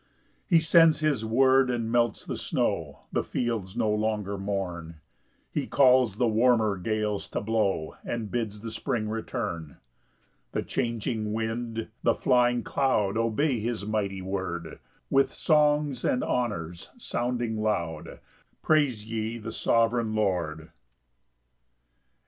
7 He sends his word and melts the snow, The fields no longer mourn; He calls the warmer gales to blow, And bids the spring return. 8 The changing wind, the flying cloud, Obey his mighty word: With songs and honours sounding loud, Praise ye the sovereign Lord.